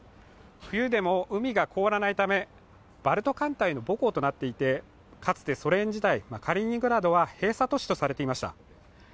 冬でも海が凍らないため、バルト艦隊の母港となっていてかつて、ソ連時代カリーニングラードは閉鎖土地とされていました。